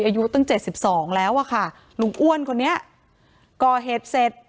อายุตั้งเจ็ดสิบสองแล้วอะค่ะลุงอ้วนคนนี้ก่อเหตุเสร็จ